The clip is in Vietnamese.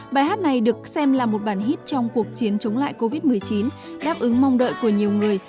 bài hát này được xem là một bản hít trong cuộc chiến chống lại covid một mươi chín đáp ứng mong đợi của nhiều người